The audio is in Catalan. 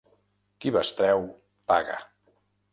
Qui bestreu, paga.